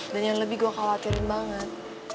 dan yang lebih gue khawatirin banget